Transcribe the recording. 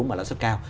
mà là rất cao